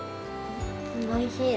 おいしい。